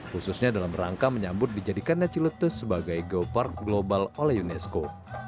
khususnya dalam rangka menyambut dijadikannya ciletus sebagai geopark global oleh unesco